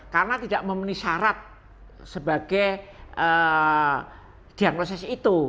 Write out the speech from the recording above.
karena tidak memenuhi syarat sebagai diagnosis itu